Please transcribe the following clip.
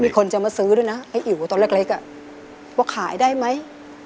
คนจะมาซื้อด้วยนะให้อิ๋วตอนเล็กว่าขายได้ไหม